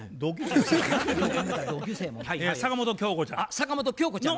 坂本京子ちゃん。